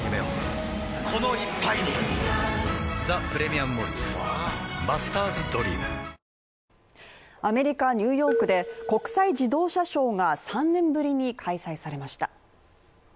鈴木桂治監督はアメリカ・ニューヨークで国際自動車ショーが３年ぶりに開催されました。